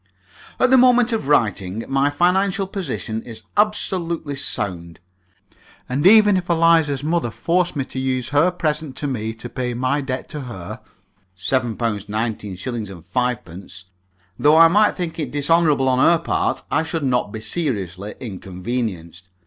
At the moment of writing my financial position is absolutely sound, and even if Eliza's mother forced me to use her present to me to pay my debt to her (£7 19_s._ 5_d._), though I might think it dishonourable on her part, I should not be seriously inconvenienced.